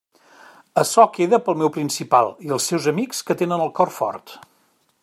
Açò queda per al meu principal i els seus amics, que tenen el cor fort.